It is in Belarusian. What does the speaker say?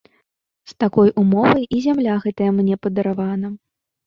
З такой умовай і зямля гэтая мне падаравана.